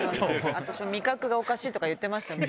私も味覚がおかしいとか言ってました、昔。